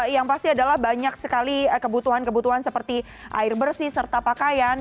yang pasti adalah banyak sekali kebutuhan kebutuhan seperti air bersih serta pakaian